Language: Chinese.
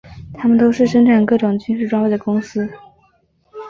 它们都是生产各种军事装备的公司。